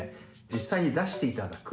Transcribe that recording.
実際に出していただく。